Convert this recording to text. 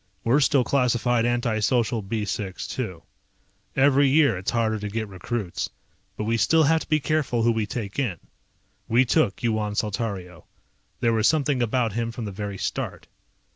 We're still classified anti social B 6, too. Every year it's harder to get recruits, but we still have to be careful who we take in. We took Yuan Saltario. There was something about him from the very start.